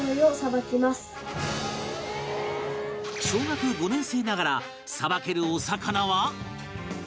小学５年生ながら捌けるお魚は